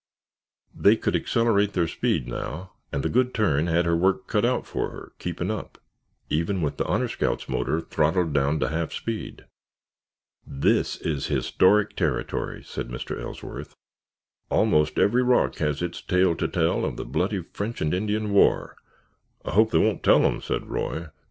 They could accelerate their speed now and the Good Turn had her work cut out for her keeping up, even with the Honor Scout's motor throttled down to half speed. "This is historic territory," said Mr. Ellsworth. "Almost every rock has its tale to tell of the bloody French and Indian War——" "I hope they won't tell them," said Roy.